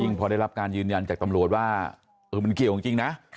พอได้รับการยืนยันจากตำรวจว่ามันเกี่ยวจริงนะ